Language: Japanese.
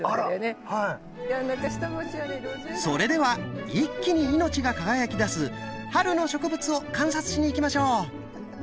それでは一気に命が輝きだす春の植物を観察しに行きましょう！